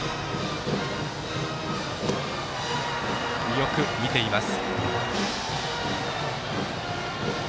よく見ています。